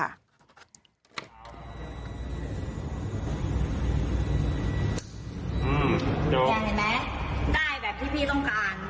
อื้มดูอย่างนี้มั้ยได้แบบที่พี่ต้องการ